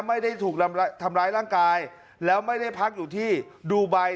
ไม่ได้ถูกทำร้ายร่างกายแล้วไม่ได้พักอยู่ที่ดูไบ